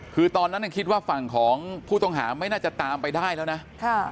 คือตอนนั้นคิดว่าฝั่งของผู้ต้องหาไม่น่าจะตามไปได้แล้วนะ